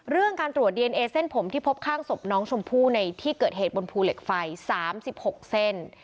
เรื่องการตรวจดีเอนเอเส้นผมที่พบข้างศพน้องชมพู่ในที่เกิดเหตุบนภูเหล็กไฟ๓๖เส้น